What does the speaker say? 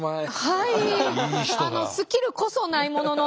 はい。